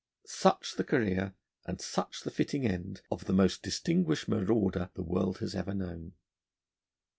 Such the career and such the fitting end of the most distinguished marauder the world has known.